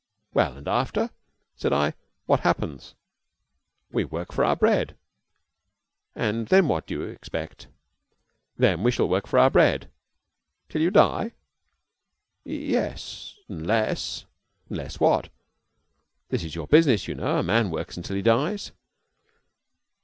"Well, and after?" said I. "What happens?" "We work for our bread." "And then what do you expect?" "Then we shall work for our bread." "Till you die?" "Ye es unless " "Unless what? This is your business, you know. A man works until he dies."